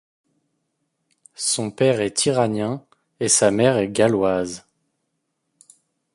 Son père est iranien et sa mère est galloise.